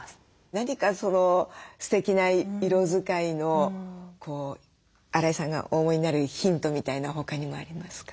何かステキな色使いの荒井さんがお思いになるヒントみたいな他にもありますか？